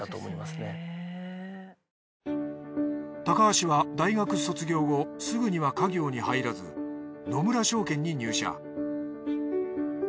高橋は大学卒業後すぐには家業に入らず野村證券に入社。